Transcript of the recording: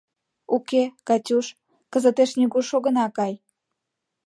— Уке, Катюш, кызытеш нигуш огына кай.